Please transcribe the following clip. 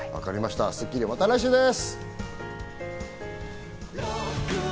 『スッキリ』は、また来週です。